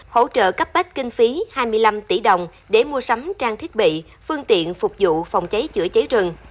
hỗ trợ cấp bách kinh phí hai mươi năm tỷ đồng để mua sắm trang thiết bị phương tiện phục vụ phòng cháy chữa cháy rừng